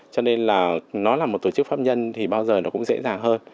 cho nên là nó là một tổ chức pháp nhân thì bao giờ nó cũng dễ dàng hơn